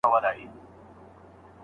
آیا ملي پارکونه تر ژوبڼونو لوی دي؟